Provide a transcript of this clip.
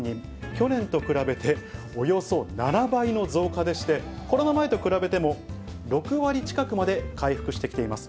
去年と比べておよそ７倍の増加でして、コロナ前と比べても６割近くまで回復してきています。